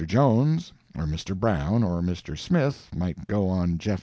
Jones, or Mr. Brown, or Mr. Smith might go on Jeff.